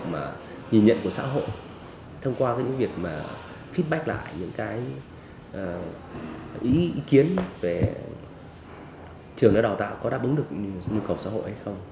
nhưng mà nhìn nhận của xã hội thông qua những việc mà feedback lại những cái ý kiến về trường đại học đào tạo có đáp ứng được nhu cầu xã hội hay không